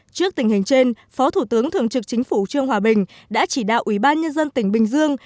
trước tình hình trên phó thủ tướng thường trực chính phủ trương hòa bình đã chỉ đạo ủy ban nhân dân tỉnh bình dương